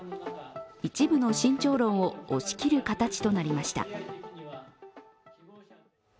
一部の慎重論を押し切る形となりました。